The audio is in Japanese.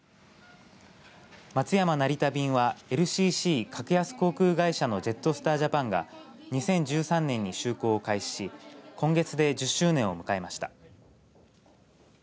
松山、成田便はＬＣＣ、格安航空会社のジェットスター・ジャパンが２０１３年に就航を開始し今月で１０周年を迎えました。